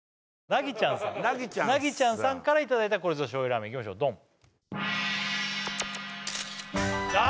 なぎちゃんさんからいただいたこれぞ醤油ラーメンいきましょうドンあ！